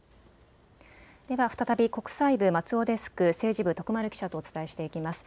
では再び国際部、松尾デスク、政治部、徳丸記者とお伝えしていきます。